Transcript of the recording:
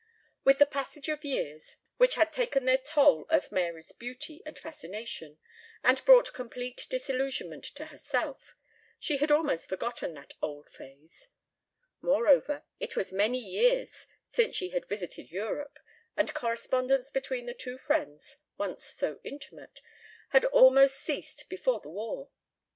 With the passage of years, which had taken their toll of Mary's beauty and fascination, and brought complete disillusionment to herself, she had almost forgotten that old phase; moreover, it was many years since she had visited Europe and correspondence between the two friends, once so intimate, had almost ceased before the war.